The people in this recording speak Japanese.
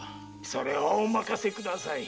それはお任せください。